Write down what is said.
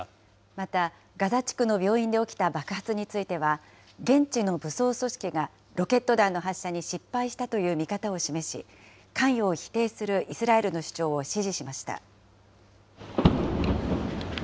また、ガザ地区の病院で起きた爆発については、現地の武装組織がロケット弾の発射に失敗したという見方を示し、関与を否定するイスラエルの主張を支持しました。